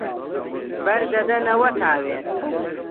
بەر دەدەنەوە تاوێر